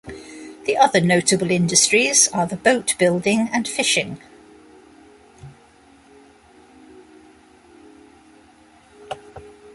The other notable industries are the boat building and fishing.